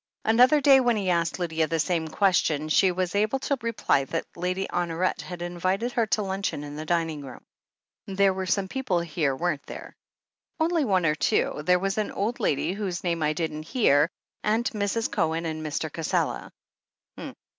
Another day, when he asked Lydia the same ques tion, she was able to reply that Lady Honoret had invited her to luncheon in the dining room. There were some people here, weren't there?" 'Only one or two. There was an old lady whose name I didn't hear, and Mrs. Cohen and Mr. Cassela."